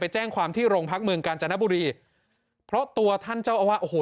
แจ้งความที่โรงพักเมืองกาญจนบุรีเพราะตัวท่านเจ้าอาวาสโอ้โห